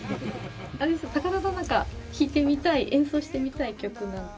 高田さんなんか弾いてみたい演奏してみたい曲なんて。